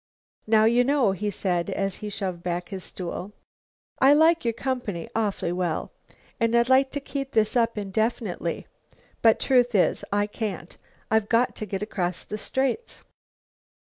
"Now you know," he said, as he shoved back his stool, "I like your company awfully well, and I'd like to keep this up indefinitely, but truth is I can't; I've got to get across the Straits."